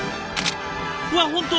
うわ本当！